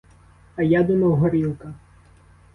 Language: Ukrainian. А я думав горілка.